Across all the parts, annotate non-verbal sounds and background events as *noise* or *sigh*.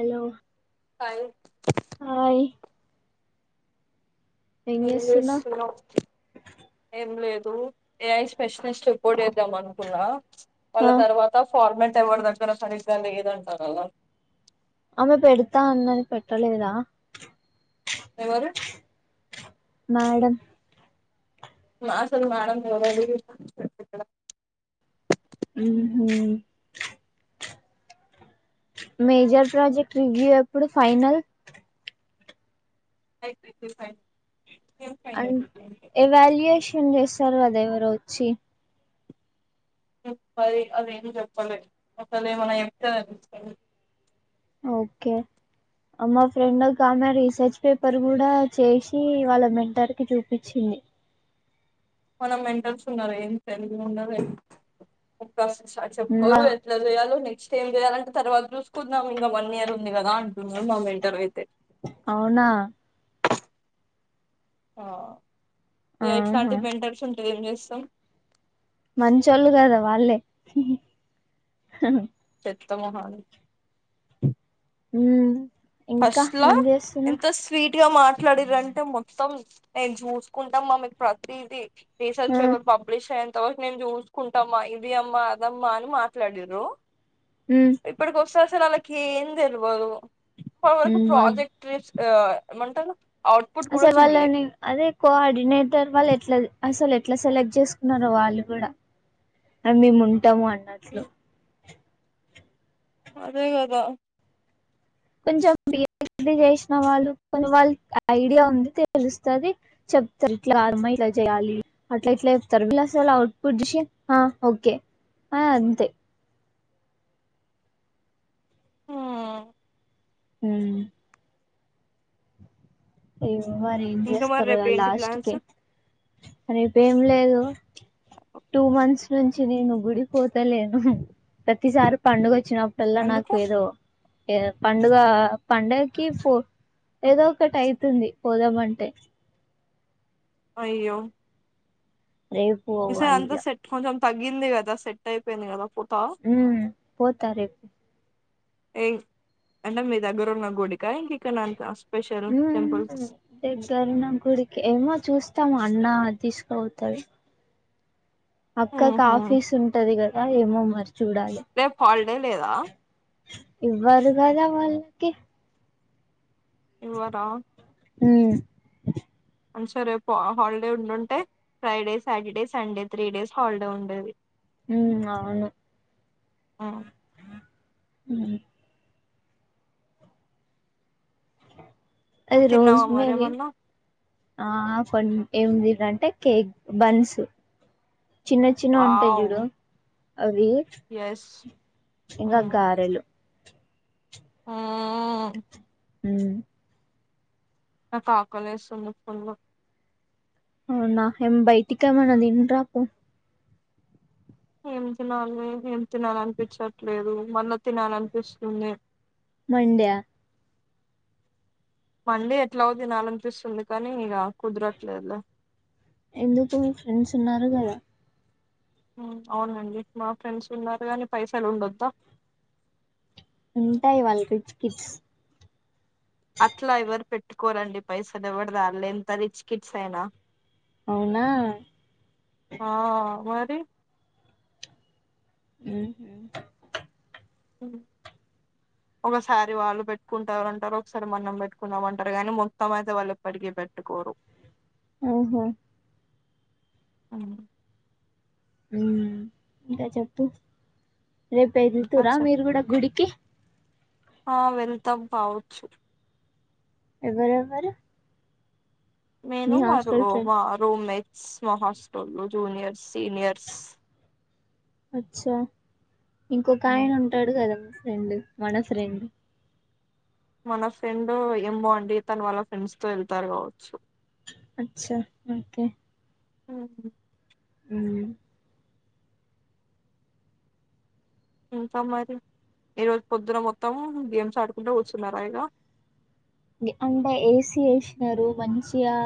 అలో ఆయ్ ఏం జేస్సున్నవ్ ఎం లేదూ ఏఐ స్పెషలిస్ట్ ఇప్పుడె దం అనుకున్నా ళ్ళ ఆ తర్వాత ఫార్మట్ ట్ ఎవర్దగ్గర సరిగ్గా లేదంట గదా ఆమె పెడ్తా అన్నది పెట్టలేదా ఎవరు మాడం మ అసలు మడం ఏడ వీ పెట్ట ఉహు మేజర్ ప్రాజెక్ట్ రివ్యూ ఎప్పుడు ఫైనల్ ఐపోయింది ఫైన్ అంట్ ఎవాల్యుయేషన్ జేస్తరు గద ఎవరో ఒచ్చి అది అదేం జేప్పలె అసలే ఏమన్న జేప్తే గద ఓకె మా ఫ్రెండ్ ఒకామె రీసర్చ్ పేపర్ గుడా చేశి వాళ్ళ మెంటర్కి జూపిచ్ ఇ మన మెంటల్స్ ఉన్నారు ఎం తెలివ్ ఉండదు ఎం ఫస్ట్ల మా చప్పరు ఎట్ల జేయాలో నె ఇ ఏం చేయాలంటే తర్వాత చూస్కుందం ఇంక వన్ ఇయర్ ఉంది గదా న మామెంటరైతె అవునా ఆ ఇగ ఆహా ఇట్లాంటి మెంటర్స్ ఉంటె ఏం జేస్సం మంచోళ్ళు గదా వాళ్ళే త్తమోహాలు ఉమ్ ఫస్ట్ల ఎంత స్వీట్ ట్టిగ మాట్లాడిరంటే మొత్తం నేన్ చూస్కుంటం మా మీక్ ప్రతిదీ రీసర్చ్ ఆ పేపర్ పబ్లిషై తో నేను చూసుకుంటామా ఇది అమ్మా అదమ్మా అని మాట్లాడిండ్రు ఇప్పటికి వస్తే అసలు వాళ్ళకి ఏం తెల్వదు ఇప్పటి వరకు ప్రాజెక్ట్ *unintelligible* ఎమంటారు అసల్ వాళ్ళని అదే కోఆర్డినేటర్ వాళ్లు ఎట్ల అసలు ఎట్లా సెలెక్ట్ చేసుకున్నారో వాళ్ళు కూడా మేము ఉంటాము అన్నట్లు అదే గాధ కొంచం బి *inaudible* డి జెసిన వాళ్ళు కొని వాళ్ళు ఐ ఐడియా ఉంది తెలుస్తది చెప్తారు ఇట్లాకాదమ్మా ఇట్ల చేయాలి అట్ల ఇట్ల చెప్తారు అసల్ అవుట్ పుట్ చూసే అ ఒకే అ అంతే హు ఊహు ఏ మరి ఇంకా మరి జెస్తారు రేపు అ ఏంటి లాస్ట్ కె ప్లాన్స్ రేప్ ఏం లేదు *inaudible* టు మంత్స్ నుంచి నేను గుడిక్ పోతలేను ప్రతిసారి పండుగో ఓచ్చినప్పుడల్లా ఎందుకు నాక్ ఏదో ఏ పండుగ పడకి పో ఏదో ఒకటి ఐతుంది పోదామంటే అయ్యో రేపు ఈసారి పోవాలి అంతా ఇగ సెట్ కొంచెం తగ్గింది కదా సెట్ అయిపోయింది కదా ఫో హు పోత రేప్ ఏఇ అంటే మీ మీ దగ్గర ఉన్న గుడి ఇంకా నాన్ దాసిపేట్ హు రేపు అన్న నా గుడికి ఏమో చూస్తాం అన్న తీసుకపోతాడు అక్క కు ఉహు ఫీస్ ఉంటది గదా ఏమో మరి చూడాలి రేప్ హాల్ డే లేదా ఇవ్వరు కదా వాళ్లకి ఇవ్వరా హు అనూష రేపు అ హాలిడే ఉంటుంటే Friday Saturday Sunday three days holiday ఉండేది హు అవును ఉమ్. హు రోజ్ తిన్నావా మేరీ మరేమన్నా అ ఫన్ ఎందుకు అంటే కేక్ బన్ సు చిన్న చిన్న గా ఉంటాయి వావ్ జుడు అవి ఎస్ ఇంగా గారెలు ఆహా హ హు నాకు ఆకలేస్తుంది ఫుల్ అవునా ఎం బైటికేమన తిని రాపో ఏం తినాలి ఏం తినాలన్ పించట్లేదు మన్ను తినాలనిపిస్తుంది మండి ఆ మండీ ఎట్లా తినాలన్ పిస్తుంది కానీ ఇగా కుదరట్లేదు లే ఎందుకు మీ ఫ్రెండ్స్ ఉన్నారు గాదా హు అవునండిమా ఫ్రెండ్స్ ఉన్నారు గాని పైసలు ఉండొద్దా ఉంటాయి వాళ్ రిచ్ కిడ్స్ అట్లా ఎవరు పెట్టుకోరండి పైసలు ఎవ్వరు వాళ్లది ఎంత రిచ్ కిట్స్ అయినా అవునా ఆ *unintelligible* ఉహు హు *unintelligible* ఒకసారి వాళ్ళు పెట్టుకుంటారంటారు ఒకసారి మనం పెట్టుకున్నాామ అంటారు కానీ మొత్తం అయితే వాళ్ళు ఎప్పటికీ పెట్టుకోు ట్రూ ఉహు అ ఇంకా చెప్పు రేపు ఇంకా వెళ్తురా చెప్ మీరు కూడా గుడికి ఆ వెళ్తాం కావచ్చు ఎవరువరు, నేను మా రు ఫ్రెండ్ రూమ్ మెయిట్ స్మ హాస్టల్లు జూనియర్స్, సీనియర్స్ అచ్చా ఇంకొక ఆయన ఉమ్. ఉంటాడు కదా ఫ్రెండ్ మన ఫ్రెండ్ మన ఫ్రెండ్ ఏం బో అండి తన వాళ్ళ ఫ్రెండ్స్ తో వెళ్తారు కావచ్చు, అచ్చ ఓకే ఉహు ఊ ఇంకా మరి ఈ రోజు పొద్దున మొత్తం గేమ్స్ ఆడుకుంటే కూర్చున్నారా ఇగా అంటే ఏసీ వేసినారు మంచిగా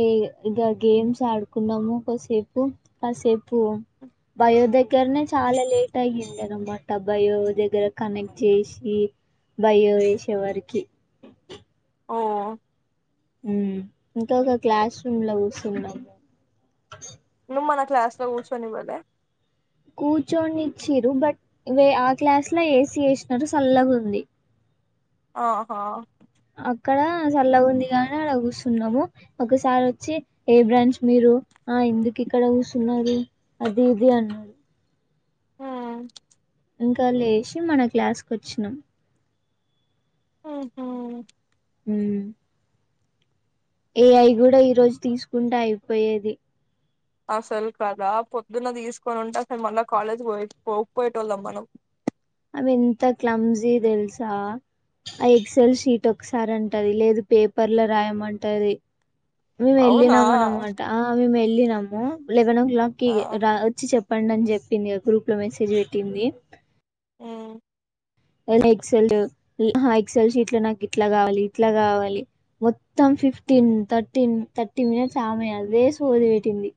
ఏ ఇగా గేమ్స్ ఆడుకున్నాము, కాసేపు కాసేపు బయో దగ్గరనే చాలా లేట్ అయ్యింది అనమాట బయో దగ్గర కనెక్ట్ చేసి భయో వేసే వరికి ఆ ఉ ఇంకా ఒక క్లాస్ రూమ్ లో కూస్తున్నాము, ను మన క్లాస్ లా కూర్చొని పోలే కూర్చోనిచ్చిర్రు బట్ వే ఆ క్లాస్ లో ఏసి వేసినరు సల్లగా ఉంది. ఆహా అక్కడ సల్ల గా ఉంది గాని అడ కూస్తున్నాము ఒకసారి వచ్చి ఏ బ్రాంచ్ మీరు ఆ ఎందుకు ఇక్కడ కుసున్నారు, అది ఇది అన్నా ఆ ఇంకా లేచి మన క్లాస్కి వచ్చినాం ఉహు ఉ ఏఐ కూడా ఈ రోజు తీసుకుంటే అయిపోయేది, అసలు కదా పొద్దున్న తీసుకొని ఉంటే అసలు మళ్ళా కాలేజ్ పోకపోయేటోళ్ళం మనం, అవి ఎంత క్లమ్జీ తెల్సా ఆ ఎక్సెల్ షీట్ ఒకసారి అంటది లేదు పేపర్ లో రాయమంటది. మేము అవునా వెళ్ళినాము అ అన్నమాట మేము వెళ్ళినాము లెవెన్ ఓ క్లాక్ కి ఆ రా వచ్చి చెప్ప చెప్పండి అని చెప్పింది ఆ గ్రూప్ లో మెసేజ్ పెట్టింది. ఉ ఎక్సెల్ ఎక్సెల్ షీట్లు నాకు ఇట్లా కావాలి ఇట్లా కావాలి మొత్తం ఫిఫ్టీన్ థర్టీన్ థర్టీ మినిట్స్ ఆమె అదే సోది పెట్టింది.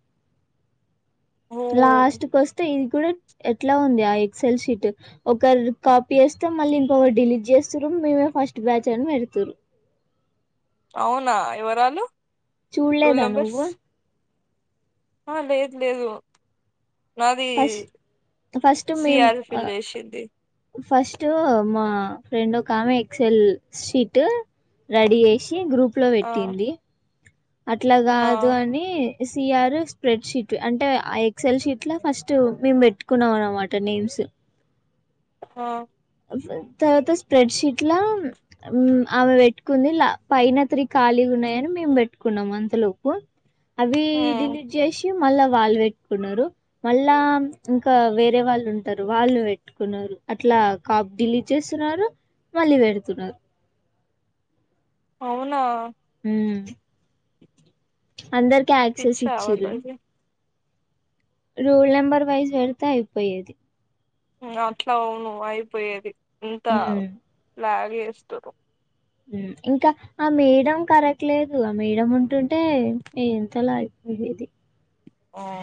ఓ లాస్ట్ కు వస్తే ఇది కూడా ఎట్లా ఉంది ఆ ఎక్సల్ షీట్ ఒకరు కాపీ వేస్తే మళ్ళీ ఇంక ఒకరు డిలీట్ చేస్తారు. మీమే ఫస్ట్ బ్యాచ్ అన్ని పెడుతురు, అవునా ఎవరాలు రూల్ చూడలేదా నెంబర్స్ నువ్వు ఆ లేదు లేదు నాది ఫస్ట్ ఫస్ట్ మేము సిఆర్ ఫిల్ చేసింది ఫస్ట్ మా ఫ్రెండ్ ఒక ఆమె ఎక్సెల్ స్షీట్ రెడీ చేసి గ్రూప్ లో ఆ పెట్టింది, అట్లా ఆ కాదు అని సిఆర్ స్ప్రెడ్ షీట్ అంటే ఆ ఎక్సఎల్ షీట్ లో ఫస్ట్ మేము పెట్టుకున్నాం అనమాట నేమ్స్ స్ హా తర్వాత స్ప్రెడ్షీట్లా ఆమె పెట్టుకుంది పైన త్రి కాలి ఉ ఉన్నయని మేము పెట్టుకున్నాం అంతలోపు అవి హ్మ్ డిలేట్ చేసి మళ్ళా వాళ్ళు పెట్టుకున్నారు మళ్ళా ఇంకా వేరే వాళ్ళు ఉంటరు వాళ్ళు పెట్టుకున్నారు అట్లా కాప్ డిలీట్ చేస్తున్నారు మళ్ళీ పెడుతున్నారు అవునా మ్ అందరికి యాక్సెస్ పిచ్చా ఇచ్చిరు వాళ్ళకి రూల్ నెంబర్ వైజ్ పెడితే అయిపోయేది అట్లా అవును అయిపోయేది ఇంతా ఉమ్. లాగ్ చేస్తురు ఇంకా ఆ మేడం కరెక్ట్ లేదు ఆ మేడ ఉంటుంటే ఎంతలా అయ్యేది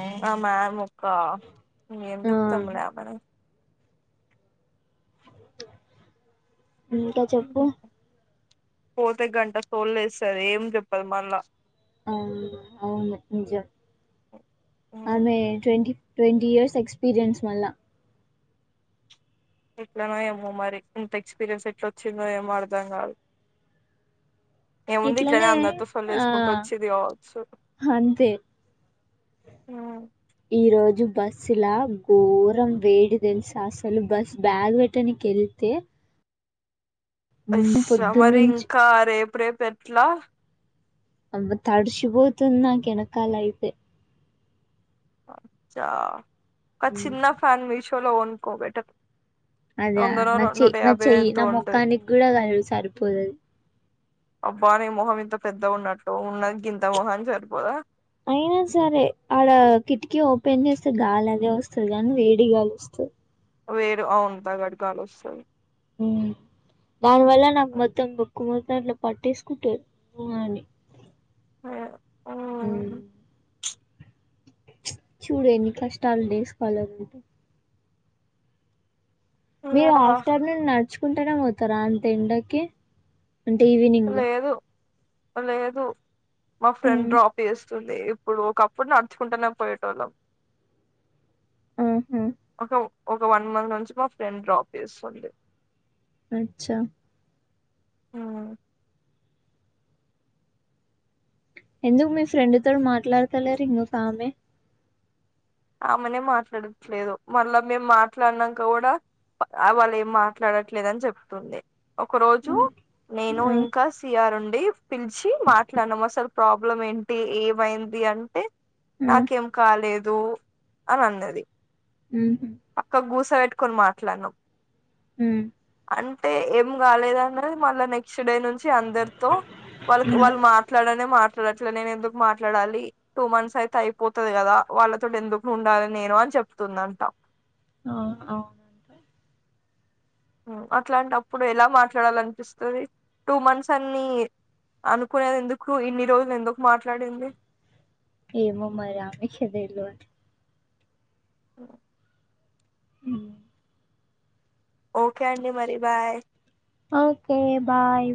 మ్ ఆ మామ్ ఓక్క ఎం ఆ. చెప్తంలే ఆ ఇంకా చెప్పు పోతే గంట తోల్ లేస్తది ఏం చెప్పదు మళ్ళా అవును అవును నిజం ఆమె టోటి ట్వంటీ ఇయర్స్ ఎక్స్పీరియన్స్ మళ్ళ ఎట్లనో ఏమో మరి ఇంత ఎక్స్పీరియన్స్ ఎట్లా వచ్చిందో ఏమో అర్దాం గాదు ఏముంది ఇట్లనే అందరితో సోల్లు ఆ వేసుకుంటూ వచ్చి ఇది కావచ్చు ఈరోజు బస్సులా ఘోరం వేడి తెలుసా అసలు బస్ బ్యాగ్ పెట్టడానికి వెళ్తే అయ్యా మరి పొద్దున్నుంచి ఇంకా రేపు రేపు ఎట్లా అబ్బా తడిషి పోతుంది నాకు ఎనకాలెత్ అచ్చా ఒక హ్మ్ చిన్న ఫ్యాన్ మీషోలో కోను కోబెటర్ అదా నా చె నా చెయ్యి నా ఉంటది మొక్కానికి గూడా సరిపోదుఅది అబ్బా ని మొహం ఇంత పెద్ద ఉన్నట్టు ఉన్నది గింత మొహంనికి సరిపోదా అయిన యినా సరే ఆడ కిటికీ ఓపెన్ చేస్తే గాలి అదె వస్తది గాని వేడిగాలిస్తది వేరు అవును అగడిగాలి వస్తది మ్ దాన్ని వల్ల నా మొత్తం ము క్కు మొత్తమఇట్లా పట్టేసుకుంటది ఉ అని ఉమ్ చూడు ఎన్ని కష్టాలు డేస్ కాలర్గ్ ఉంటే మీరు ఇగ అఫ్టనూన్ నడుచుకుంటేనే పోతారా అంత ఎండకి అంటే ఈవినింగ్ లేదు లేదు మా ఫ్రెండ్ ఉమ్ డ్రాప్ చేస్త వస్తుంది ఇప్పుడు ఒకప్పుడు నడుచుకుంటనే పోయేటోళ్ళం ఆహా ఒక ఒక వన్ మంత్ నుంచి మా ఫ్రెండ్ డ్రాప్ చేస్తుంది అచ్చా ఆ ఎందుకు మీ ఫ్రెండ్ తో మాట్లాడతలే ర్ ఇంకో ఆమె ఆమెనే మాట్లాడట్లేదు మళ్ళా మేము మాట్లాడినాక గూడా వాళ్ళు ఏం మాట్లాడట్లేదు అని చెప్తుంది ఒక రోజు నేను ఆ ఇంకా సిఆర్ ఉండి పిలిచి మాట్లానాం అసలు ప్రా ప్బ్లం ఏంటి ఏమైంది అంటే ఆ నాకేం కాలేదు అని అన్నది ఉహు పక్క గూస పెట్టుకొని మాట్లాడినం ఉమ్ ఉంటే ఏం కాలేదు అన్నది మళ్ళ నెక్స్ట్ డే నుంచి చ్చి అందరితో వాళ్ళ వాళ్ళు మాట్లాడనే మాట్లా అట్ల నేను ఎందుకు మాట్లాడాలి టూ మంత్స్ అయితే అయిపోతది కదా, వాళ్ళతోటి ఎందుకు ఉండాలి నేను అని చెప్ చెప్తుందంట ఆ అవునులే అట్లాంటప్పుడు ఎలా మాట్లాడాల అనిపిస్తది టూ మంత్స్ అన్ని అనుకునేది ఎందుకు ఇన్ని రోజులు ఎందుకు మాట్లాడింది ఏమో మరి ఆమెకే దెలువాలి అ హ్మ్ ఓకే అండి మరి బాయ్ ఓకే బాయ్